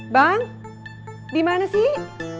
bang dimana sih